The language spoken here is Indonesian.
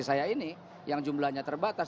saya ini yang jumlahnya terbatas